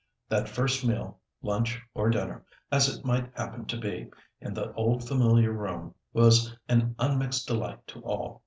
That first meal, lunch or dinner, as it might happen to be, in the old familiar room, was an unmixed delight to all.